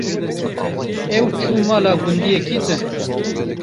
ew çû mala gundiyekî din.